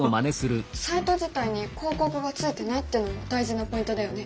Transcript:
サイト自体に広告がついていないっていうのも大事なポイントだよね。